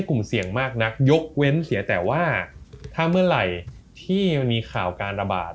กลุ่มเสี่ยงมากนักยกเว้นเสียแต่ว่าถ้าเมื่อไหร่ที่มันมีข่าวการระบาด